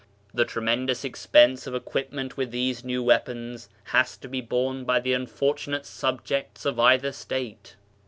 The tremendous ex pense of equipment with these new weapons hag to be borne by the unfortunate subjects of either state.